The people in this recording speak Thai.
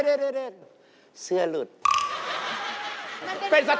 เพราะว่ารายการหาคู่ของเราเป็นรายการแรกนะครับ